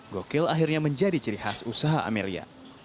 gokil akhirnya menjadi ciri khas usaha amelia